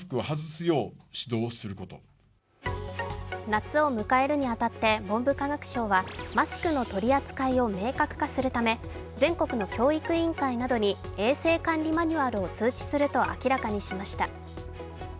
夏を迎えるに当たって文部科学省はマスクの取り扱いを明確化するため、全国の教育委員会などに衛生管理マニュアルを通知すると明らかにしました。